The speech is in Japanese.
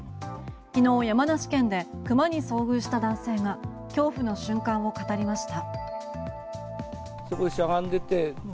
昨日、山梨県で熊に遭遇した男性が恐怖の瞬間を語りました。